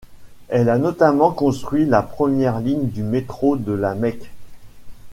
Elle a notamment construit la première ligne du métro de La Mecque.